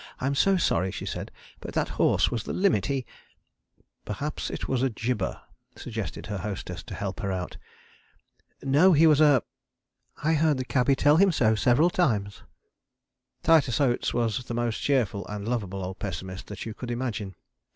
"I'm so sorry," she said, "but that horse was the limit, he ..." "Perhaps it was a jibber," suggested her hostess to help her out. "No, he was a . I heard the cabby tell him so several times." Titus Oates was the most cheerful and lovable old pessimist that you could imagine.